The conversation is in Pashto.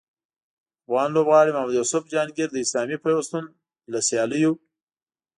افغان لوبغاړي محمد یوسف جهانګیر د اسلامي پیوستون له سیالیو